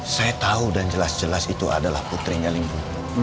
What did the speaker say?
saya tahu dan jelas jelas itu adalah putrinya lingku